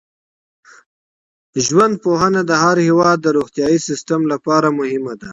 ژوندپوهنه د هر هېواد د روغتیايي سیسټم لپاره مهمه ده.